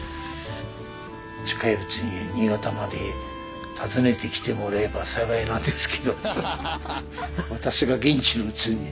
近いうちに新潟まで訪ねてきてもらえば幸いなんですけど私が元気なうちに。